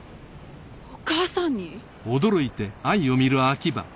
お母さんに？